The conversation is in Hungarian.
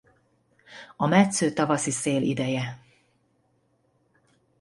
A metsző tavaszi szél ideje.